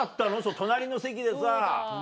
隣の席でさ。